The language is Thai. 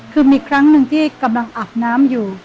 คือมีครั้งหนึ่งที่กำลังอาบน้ำอยู่